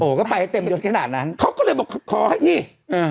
ก็ไปให้เต็มยดขนาดนั้นเขาก็เลยบอกขอให้นี่อ่า